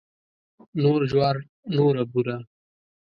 نور جوار نوره بوره.